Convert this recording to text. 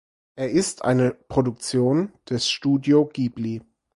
Er ist eine Produktion des Studio Ghibli.